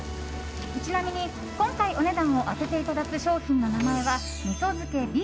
ちなみに今回お値段を当てていただく商品の名前は味噌漬けＢ。